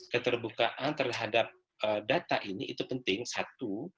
keterbukaan terhadap data ini itu penting satu